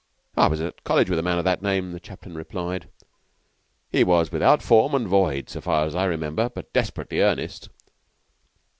"I was at College with a man of that name," the chaplain replied. "He was without form and void, so far as I remember, but desperately earnest."